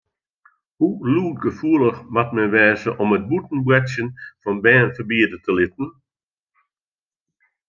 Hoe lûdgefoelich moat men wêze om it bûten boartsjen fan bern ferbiede te litten?